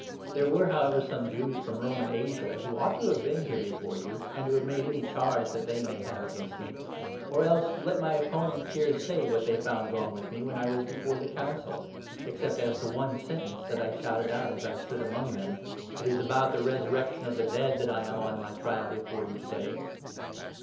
There were, how 19 ever, some Jews from Roman Asia who ought to have been here before you, and to have made any charge that they may have against me — Or. else let my opponents here say what 20 they found wrong in me when I was before the Council, except 21 as to the one sentence that I shouted out as I stood among them —' It is about the resurrection of the dead that I am on my trial before you to day